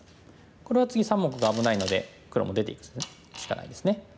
これは次３目が危ないので黒も出ていくしかないですね。